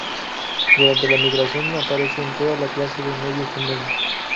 Durante la migración aparece en toda clase de medios húmedos.